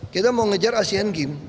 kita mau ngejar asean games